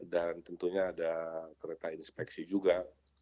dan tentunya ada kereta inspeksi juga